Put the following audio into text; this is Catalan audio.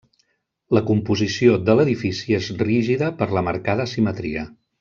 La composició de l'edifici és rígida per la marcada simetria.